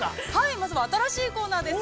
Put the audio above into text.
◆まずは新しいコーナーです。